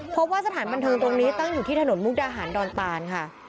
พบว่าสถานบันเทิงตรงนี้ตั้งอยู่ที่ถนนมุกดาหารดอนตานค่ะ